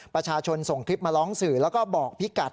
ประชาชนส่งคลิปมาร้องสื่อแล้วก็บอกพี่กัด